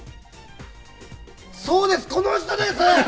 そうです、この人です！